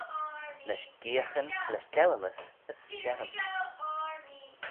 Lesh geayaghyn, lesh dewilys as sterrym.